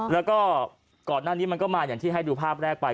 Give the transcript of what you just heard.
แล้วก็ก่อนหน้านี้มันก็มาอย่างที่ให้ดูภาพแรกไป